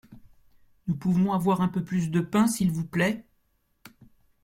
Nous pouvons avoir un peu plus de pain s’il vous plait ?